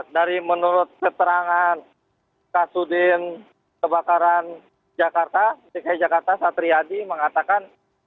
dari menurut keterangan kasudin kebakaran jakarta dki jakarta satriadi mengatakan